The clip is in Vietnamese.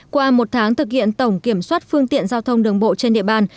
qua một tháng thực hiện tổng kiểm soát phương tiện giao thông đường bộ trên địa bàn